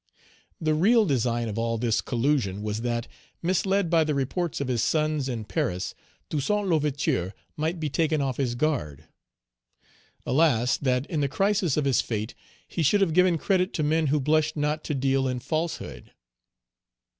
The real design of all this collusion was that, misled by the reports of his sons in Paris, Toussaint L'Ouverture might be taken off his guard. Alas! that in the crisis of his fate he should have given credit to men who blushed not to deal in falsehood.